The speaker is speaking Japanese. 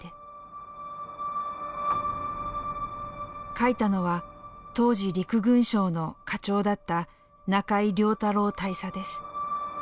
書いたのは当時陸軍省の課長だった中井良太郎大佐です。